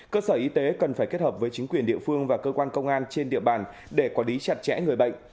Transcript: cơ sở y tế cần phải kết hợp với chính quyền địa phương và cơ quan công an trên địa bàn để quản lý chặt chẽ người bệnh